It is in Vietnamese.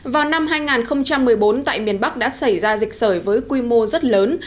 vào năm hai nghìn một mươi bốn tại miền bắc đã xảy ra dịch sởi với quy mô rất lớn